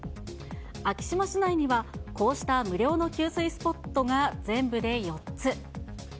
昭島市内には、こうした無料の給水スポットが全部で４つ。